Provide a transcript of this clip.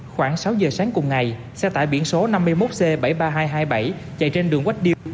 khoảng sáu giờ sáng cùng ngày xe tải biển số năm mươi một c bảy mươi ba nghìn hai trăm hai mươi bảy chạy trên đường quách điêu